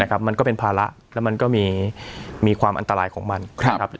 มันก็เป็นภาระแล้วมันก็มีความอันตรายของมันนะครับ